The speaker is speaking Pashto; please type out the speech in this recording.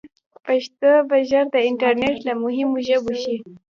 پښتو به ژر د انټرنیټ له مهمو ژبو شي.